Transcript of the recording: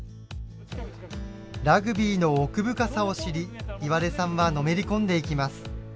ラグビーの奥深さを知り岩出さんはのめり込んでいきます。